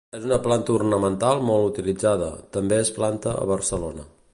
És una planta ornamental molt utilitzada, també es planta a Barcelona.